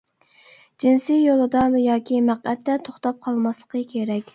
جىنسىي يولىدا ياكى مەقئەتتە توختاپ قالماسلىقى كېرەك.